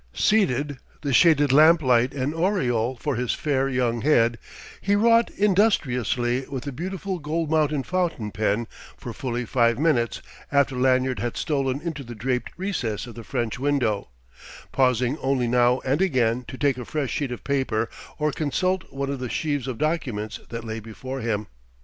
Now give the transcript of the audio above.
Seated, the shaded lamplight an aureole for his fair young head, he wrought industriously with a beautiful gold mounted fountain pen for fully five minutes after Lanyard had stolen into the draped recess of the French window, pausing only now and again to take a fresh sheet of paper or consult one of the sheaves of documents that lay before him.